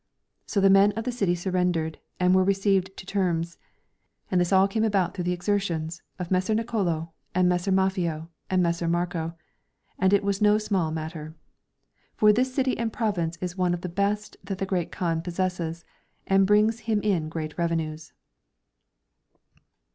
So the men of the city surrendered, and were received to terms ; and this all came about through the exertions of Messer Nicolo, and Messer MafFeo, and Messer Marco ; and it was no small matter. For this city and province is one of the best that the Great Kaan possesses, and brings him in great revenues.'